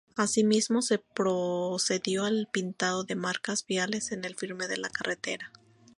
Asimismo, se procedió al pintado de marcas viales en el firme de la carretera.